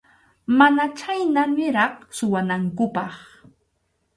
Mana chhayna niraq suwanankupaq.